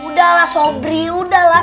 udahlah sobri udahlah